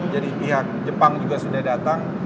jadi pihak jepang juga sudah datang